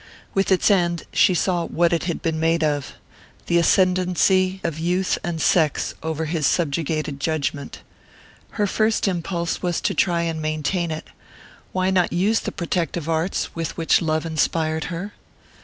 With its end she saw what it had been made of: the ascendency of youth and sex over his subjugated judgment. Her first impulse was to try and maintain it why not use the protective arts with which love inspired her?